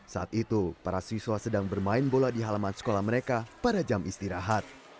saat itu para siswa sedang bermain bola di halaman sekolah mereka pada jam istirahat